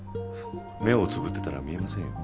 目をつぶってたら見えませんよ？